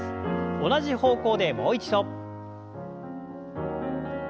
同じ方向でもう一度。